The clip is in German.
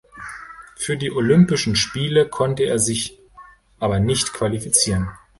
Für die Olympischen Spiele konnte er sich aber nicht qualifizieren.